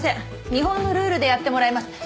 日本のルールでやってもらいます。